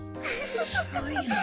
すごいよね。